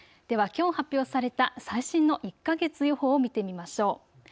ではきょう発表された最新の１か月予報を見てみましょう。